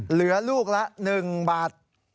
เหลือลูกละ๑บาท